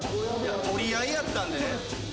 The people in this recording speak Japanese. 取り合いやったんで。